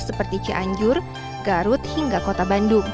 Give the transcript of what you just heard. seperti cianjur garut hingga kota bandung